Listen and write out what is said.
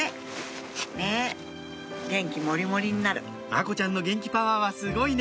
愛心ちゃんの元気パワーはすごいね